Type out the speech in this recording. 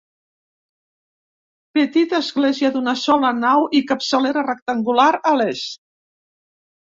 Petita església d'una sola nau i capçalera rectangular a l'est.